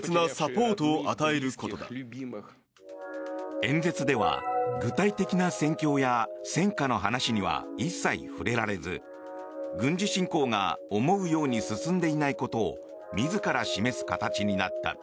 演説では具体的な戦況や戦果の話には一切触れられず軍事侵攻が思うように進んでいないことを自ら示す形になった。